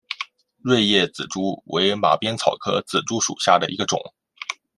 锐叶紫珠为马鞭草科紫珠属下的一个种。